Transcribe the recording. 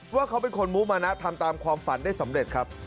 ว่าเขาเป็นคนมุมนะทำตามความฝันได้สำเร็จครับ